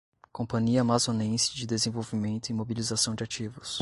Companhia Amazonense de Desenvolvimento e Mobilização de Ativos